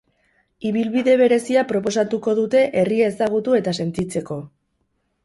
Ibilbide berezia proposatuko dute herria ezagutu eta sentitzeko.